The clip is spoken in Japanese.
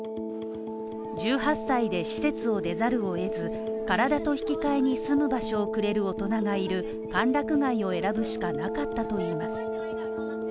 １８歳で施設を出ざるを得ず、身体と引き換えに住む場所をくれる大人がいる歓楽街を選ぶしかなかったといいます